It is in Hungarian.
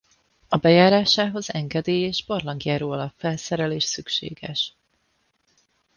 A bejárásához engedély és barlangjáró alapfelszerelés szükséges.